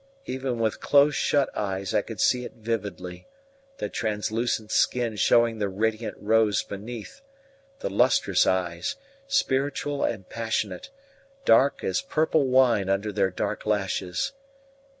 Even with closeshut eyes I could see it vividly, the translucent skin showing the radiant rose beneath, the lustrous eyes, spiritual and passionate, dark as purple wine under their dark lashes.